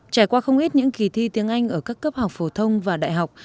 trải qua không ít những kỳ thi tiếng anh ở các cấp học phổ thông và đại học